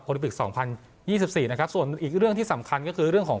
ลิปิกสองพันยี่สิบสี่นะครับส่วนอีกเรื่องที่สำคัญก็คือเรื่องของ